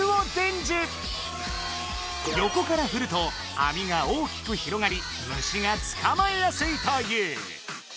横からふるとアミが大きく広がり虫がつかまえやすいという。